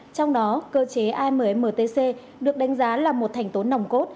trong đó cơ chế ammtc được đánh giá là một thành tố nồng cố